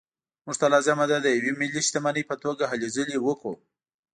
موږ ته لازمه ده د یوې ملي شتمنۍ په توګه هلې ځلې وکړو.